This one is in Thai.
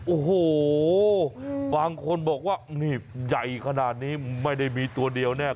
โอ้โหบางคนบอกว่านี่ใหญ่ขนาดนี้ไม่ได้มีตัวเดียวแน่